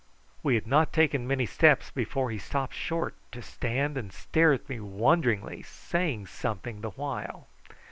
We had not taken many steps before he stopped short to stand and stare at me wonderingly, saying something the while.